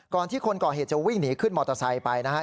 ที่คนก่อเหตุจะวิ่งหนีขึ้นมอเตอร์ไซค์ไปนะครับ